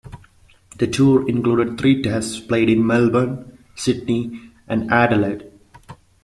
The tour included three Tests played in Melbourne, Sydney and Adelaide.